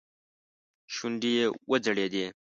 شونډې يې وځړېدې.